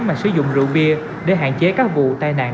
mà sử dụng rượu bia để hạn chế các vụ tai nạn